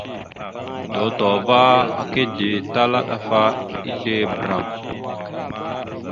Dotohəva aka ditala ɗaf a ezle bəram.